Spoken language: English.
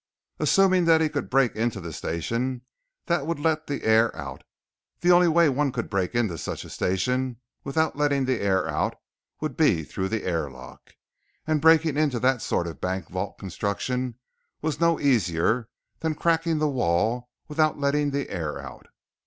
Assuming that he could break into the station, that would let the air out. The only way one could break into such a station without letting the air out would be through the airlock, and breaking into that sort of bank vault construction was no easier than cracking the wall without letting the air out.